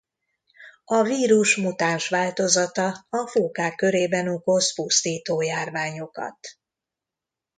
A vírus mutáns változata a fókák körében okoz pusztító járványokat.